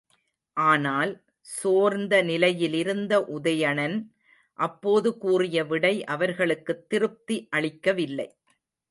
ஆனால், சோர்ந்த நிலையிலிருந்த உதயணன் அப்போது கூறிய விடை அவர்களுக்குத் திருப்தி அளிக்கவில்லை.